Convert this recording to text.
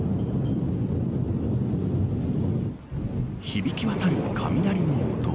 響きわたる雷の音。